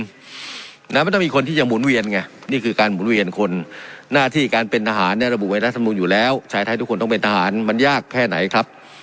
มันต้องมีคนที่ยังหุ่นเวียนไงนี่คือการหมุนเวียนคนหน้าที่การเป็นทหารเนี่ยระบุไว้รัฐมนุนอยู่แล้วชายไทยทุกคนต้องเป็นทหารมันยากแค่ไหนครับ